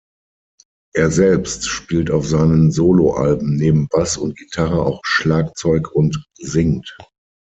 Er selbst spielt auf seinen Soloalben neben Bass und Gitarre auch Schlagzeug und singt.